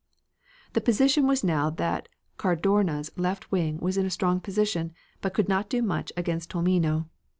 The position was now that Cadorna's left wing was in a strong position, but could not do much against Tolmino.